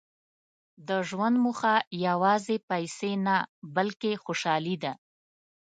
• د ژوند موخه یوازې پیسې نه، بلکې خوشالي ده.